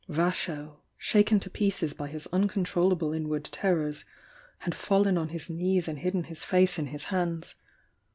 Vasho, shaken to pieces by his uncon trollable inward terrors, had fallen on his knees and hidden his face in his hands.